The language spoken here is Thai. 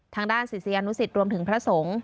ทางด้านศิษยานุสิตรวมถึงพระสงฆ์